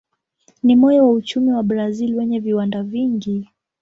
Ni moyo wa uchumi wa Brazil wenye viwanda vingi.